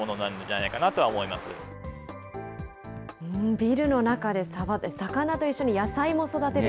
ビルの中でサバって、魚と一緒に野菜も育てる。